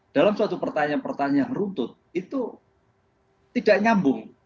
dalam suatu pertanyaan pertanyaan runtut itu tidak nyambung